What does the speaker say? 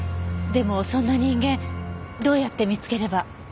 でもそんな人間どうやって見つければ。